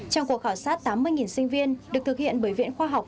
trong cuộc khảo sát tám mươi sinh viên được thực hiện bởi viện khoa học